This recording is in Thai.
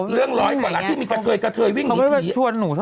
เรื่องร้อยกว่าร้านที่มีกระเทยวิ่งหนี